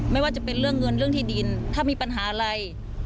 ไม่ว่าจะเป็นเรื่องเงินเรื่องที่ดินถ้ามีปัญหาอะไร